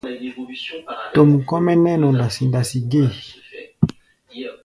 Tom kɔ́-mɛ́ nɛ́ nɔ ná ndasi-ndasi gée.